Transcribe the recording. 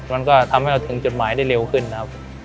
มันก็ทำให้เราถึงจดหมายได้เร็วขึ้นนะครับ